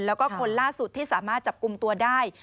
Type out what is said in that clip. แล้วก็คนล่าสุดที่สามารถจับกลุ่มตัวได้